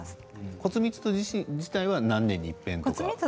骨密度自体は何年にいっぺんですか？